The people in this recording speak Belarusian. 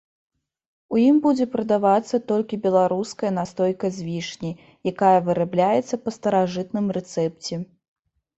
У ім будзе прадавацца толькі беларуская настойка з вішні, якая вырабляецца па старажытным рэцэпце.